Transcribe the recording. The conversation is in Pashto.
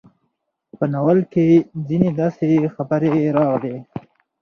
په ناول کې ځينې داسې خبرې راغلې